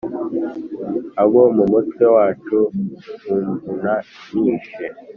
Abo mu mutwe wacu bamvuna nishe.